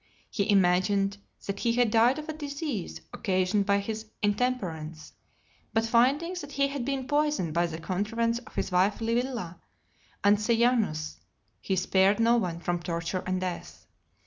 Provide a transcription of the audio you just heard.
He imagined that he had died of a disease occasioned (231) by his intemperance; but finding that he had been poisoned by the contrivance of his wife Livilla and Sejanus, he spared no one from torture and death.